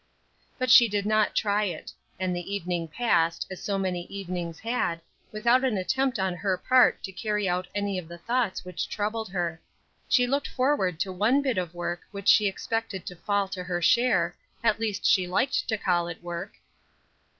But she did not try it; and the evening passed, as so many evenings had, without an attempt on her part to carry out any of the thoughts which troubled her. She looked forward to one bit of work which she expected to fall to her share, at least she liked to call it work.